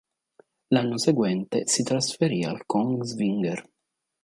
L'anno seguente, si trasferì al Kongsvinger.